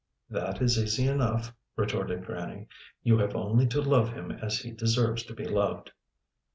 "That is easy enough," retorted Grannie. "You have only to love him as he deserves to be loved."